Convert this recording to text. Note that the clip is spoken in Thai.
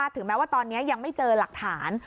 ถึงแม้ว่าตอนนี้ยังไม่เจอหลักฐาน